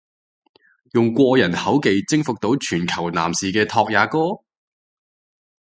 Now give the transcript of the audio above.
用過人口技征服到全球男士嘅拓也哥！？